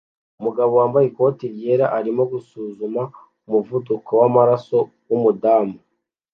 Umugabo wambaye ikoti ryera arimo gusuzuma umuvuduko wamaraso wumudamu